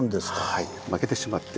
はい負けてしまって。